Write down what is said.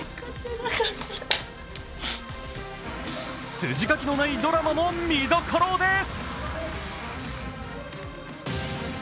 筋書きのないドラマも見どころです。